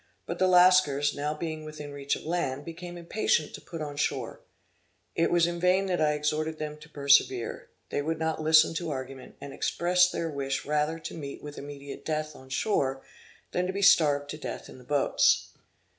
But the Lascars, now being within reach of land, became impatient to be put on shore. It was in vain that I exhorted them to persevere; they would not listen to argument, and expressed their wish rather to meet with immediate death on shore, than to be starved to death in the boats.